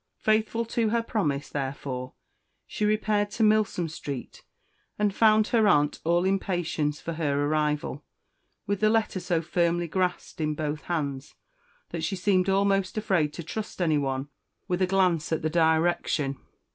Faithful to her promise, therefore, she repaired to Milsom Street, and found her aunt all impatience for her arrival, with the letter so firmly grasped in both hands, that she seemed almost afraid to trust anyone with a glance at the direction.